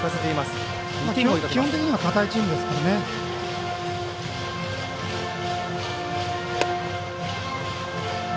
基本的には堅いチームですから。